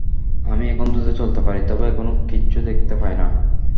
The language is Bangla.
আমি এখন দ্রুত চলতে পারি, তবে এখনও কিচ্ছু দেখতে পাই না।